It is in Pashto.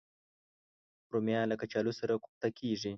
رومیان له کچالو سره کوفته کېږي